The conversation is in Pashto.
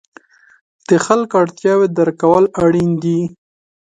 د خلکو اړتیاوې درک کول اړین دي.